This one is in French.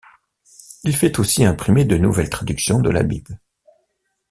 Il fait aussi imprimer de nouvelles traductions de la Bible.